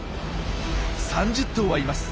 ３０頭はいます。